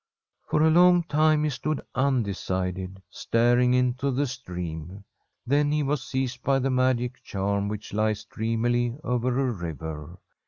|'\)r a l«>nf; time he stood undecided, staring into the stream. Then he was seized by the magic vliaiin which lies dreamily over a river.